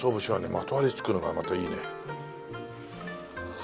まとわりつくのがまたいいね。